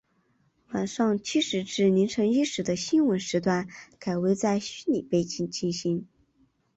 晚上七时至凌晨一时的新闻时段改为在虚拟布景进行。